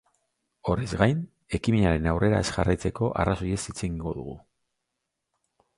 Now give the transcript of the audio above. Horrez gain, ekimenarekin aurrera ez jarraitzeko arrazoiez hitz egingo du.